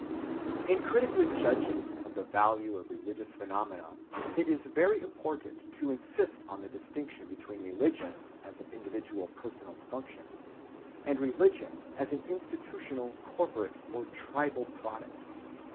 ‐‐‐‐‐‐‐‐‐‐‐‐‐‐‐‐‐‐‐‐‐‐‐‐‐‐‐‐‐‐‐‐‐‐‐‐‐ In critically judging of the value of religious phenomena, it is very important to insist on the distinction between religion as an individual personal function, and religion as an institutional, corporate, or tribal product.